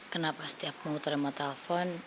kenapa setiap mau terima telepon